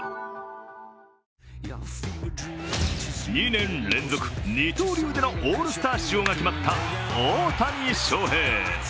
２年連続、二刀流でのオールスター出場が決まった大谷翔平。